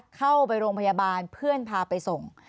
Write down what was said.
เข้าไปโรงพยาบาลเพื่อนพาไปส่ง